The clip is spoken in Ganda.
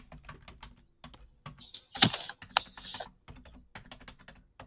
Omu alina okukkiriza okufuuka omussiru musobole okutambula.